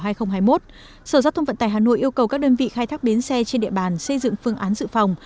sở giao thông vận tải hà nội yêu cầu các đơn vị khai thác bến xe trên địa bàn xây dựng phương án dự phòng